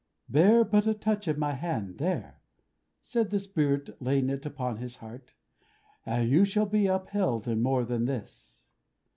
"Bear but a touch of my hand there," said the Spirit, laying it upon his heart, "and you shall be upheld in more than this!"